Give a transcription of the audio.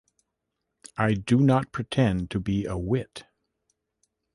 I do not pretend to be a wit.